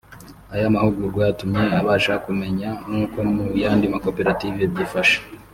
aya mahugurwa yatumye abasha kumemnya n’uko mu yandi makoperative byifashe